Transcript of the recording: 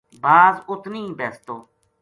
باز ات نیہہ بیستو